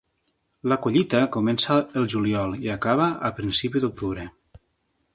La collita comença el juliol i acaba a principi d'octubre.